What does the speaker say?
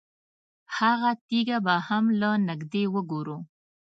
هغه تیږه به هم له نږدې وګورو.